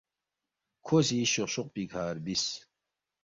کھو سی شوقشوق پیکھہ رِبس